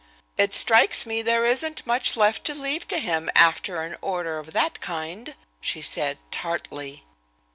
"It strikes me there isn't much left to leave to him after an order of that kind," she said, tartly.